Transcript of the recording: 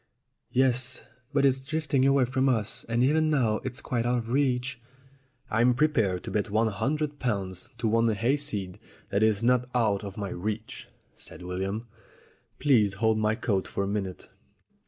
"Yes, but it's drifting away from us. And even now it's quite out of reach." "I'm prepared to bet one hundred pounds to one hayseed that it is not out of my reach," said William. "Please hold my coat for a minute."